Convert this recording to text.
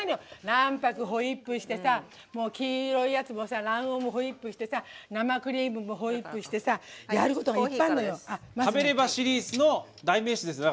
卵白ホイップしてさ、黄色いやつ卵黄もホイップして生クリームもホイップしてやること、いっぱいあるのよ。